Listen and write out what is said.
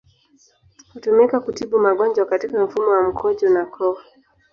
Hutumika kutibu magonjwa katika mfumo wa mkojo na koo.